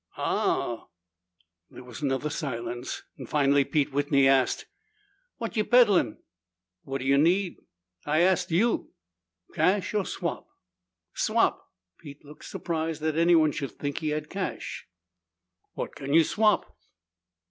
"Aoh." There was another silence. Finally Pete Whitney asked, "What ye peddlin?" "What do you need?" "I ast you." "Cash or swap?" "Swap." Pete looked surprised that anyone should think he had cash. "What can you swap?"